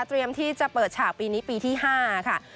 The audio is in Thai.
ที่จะเปิดฉากปีนี้ปีที่๕ค่ะ